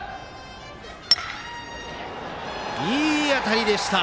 いい当たりでした。